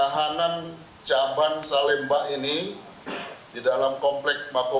sehingga kita bisa berhasil meminimai semua kejadian